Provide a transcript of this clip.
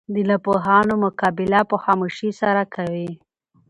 د ناپوهانو مقابله په خاموشي سره کوئ!